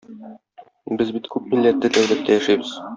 Без бит күпмилләтле дәүләттә яшибез.